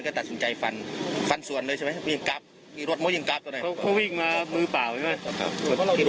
ก็ตัดสินใจฟันฟันส่วนเลยใช่ไหมเขาวิ่งมามือเปล่าไอ้